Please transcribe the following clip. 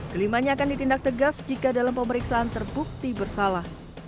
kelimanya akan ditindak tegas jika dalam pemeriksaan terbukti bersalah